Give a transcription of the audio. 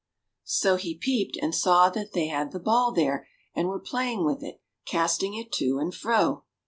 So he peeped, and saw that they had the ball there, and were playing with it, casting it to and fro.